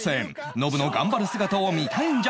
「ノブの頑張る姿を見たいんじゃ！！